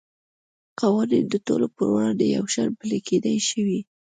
قوانین د ټولو په وړاندې یو شان پلی کېدای شوای.